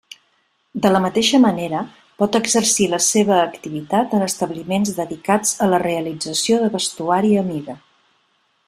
De la mateixa manera pot exercir la seva activitat en establiments dedicats a la realització de vestuari a mida.